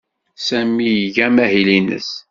Sami iga amahil-nnes.